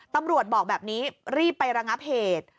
ตำรวจบอกแบบนี้รีบไประงับเหตุ